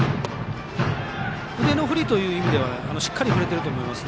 腕の振りという意味ではしっかり振れていると思います。